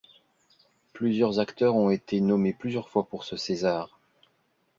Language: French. Plusieurs acteurs ont été nommés plusieurs fois pour ce César.